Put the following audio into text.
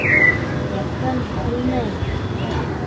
— Яҡын килмәйем.